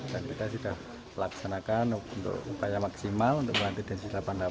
dan kita sudah laksanakan upaya maksimal untuk melantik densus delapan puluh delapan